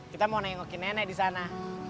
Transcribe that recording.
kita mau nengokin nenek di sana